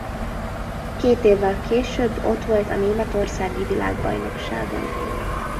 Két évvel később ott volt a németországi világbajnokságon.